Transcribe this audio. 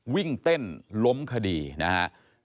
วิ่งเต้นล้มคดีนะครับ